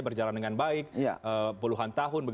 berjalan dengan baik puluhan tahun